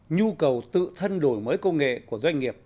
nhu cầu tự thân đổi mới công nghệ của doanh nghiệp